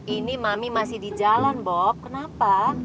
ini mami masih di jalan bob kenapa